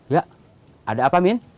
ya ada apa min